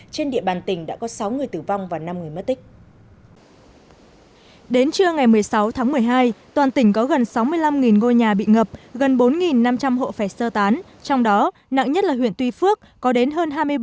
trên địa bàn tỉnh đã có sáu người tử vong và năm người mất tích